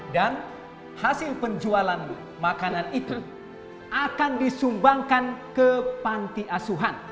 dan hasil penjualan makanan itu akan disumbangkan ke panti asuhan